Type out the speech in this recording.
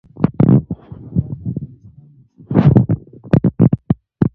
زراعت د افغانستان د سیلګرۍ برخه ده.